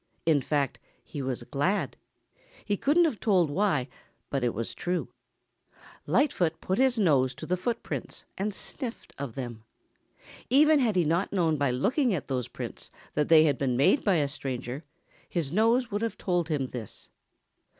In fact, he was glad. He couldn't have told why, but it was true. Lightfoot put his nose to the footprints and sniffed of them. Even had he not known by looking at those prints that they had been made by a stranger, his nose would have told him this.